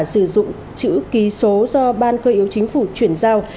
sử dụng chữ ký số do ban cơ yếu chính phủ chuyển giao